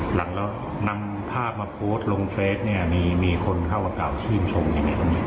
หลังแล้วนำภาพมาโพสต์ลงเฟซมีคนเข้ากับเก่าชื่นชมอย่างไรตรงนี้